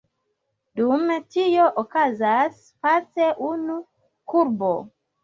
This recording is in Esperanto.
Dum tio okazas space unu kurbo.